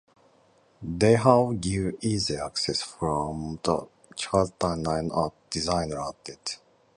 They now give easy access from the Chiltern Line to London Designer Outlet.